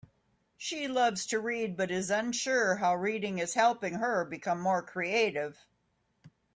She loves to read, but is unsure how reading is helping her become more creative.